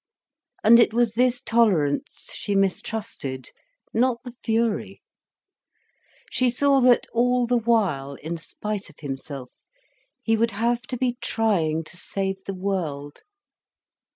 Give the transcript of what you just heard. And it was this tolerance she mistrusted, not the fury. She saw that, all the while, in spite of himself, he would have to be trying to save the world.